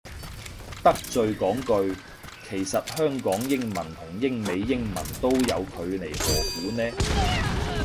得罪講句，其實香港英文都同英美英文都有距離何苦呢